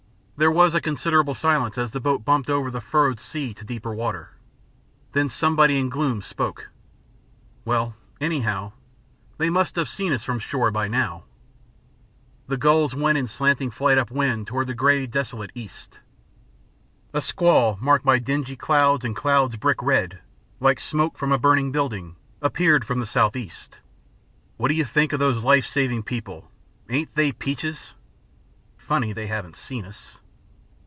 There was a considerable silence as the boat bumped over the furrowed sea to deeper water. Then somebody in gloom spoke. "Well, anyhow, they must have seen us from the shore by now." The gulls went in slanting flight up the wind toward the grey desolate east. A squall, marked by dingy clouds, and clouds brick red, like smoke from a burning building, appeared from the south east. "What do you think of those life saving people? Ain't they peaches?' "Funny they haven't seen us."